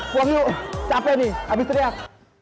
buang yuk capek nih habis teriak